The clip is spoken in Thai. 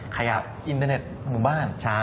ขยับอินเทอร์เน็ตหมู่บ้าน